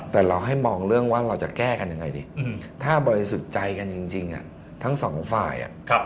แต่เราให้มองเรื่องว่าเราจะแก้กันยังไงดีถ้าบริสุทธิ์ใจกันจริงทั้งสองฝ่าย